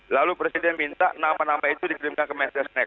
lalu presiden minta nama nama itu dikirimkan ke mensesnek